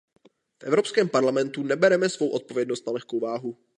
V Evropském parlamentu nebereme svou odpovědnost na lehkou váhu.